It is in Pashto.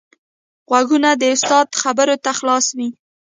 غوږونه د استاد خبرو ته خلاص وي